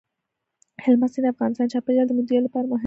هلمند سیند د افغانستان د چاپیریال د مدیریت لپاره مهم دی.